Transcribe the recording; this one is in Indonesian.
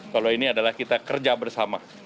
kalau ini adalah kita kerja bersama